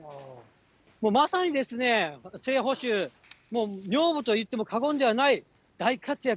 まさにですね、正捕手、女房と言っても過言ではない大活躍。